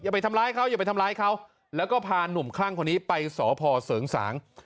ไปทำร้ายเขาอย่าไปทำร้ายเขาแล้วก็พานุ่มคลั่งคนนี้ไปสพเสริงสาง